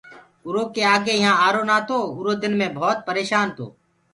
ايٚرو ڪي آگي يهآنٚ آرو نآتو آُرو دن مي ڀوتَ پريشآن تو